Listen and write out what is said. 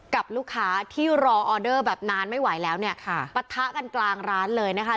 กับลูกค้าที่รอออเดอร์แบบนานไม่ไหวแล้วเนี่ยค่ะปะทะกันกลางร้านเลยนะคะ